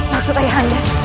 maksud ayah anda